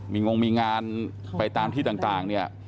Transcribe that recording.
มีงงมีงานไปตามที่ต่างเนี่ย